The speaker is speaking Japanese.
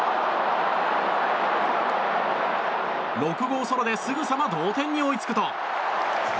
６号ソロですぐさま同点に追いつくと。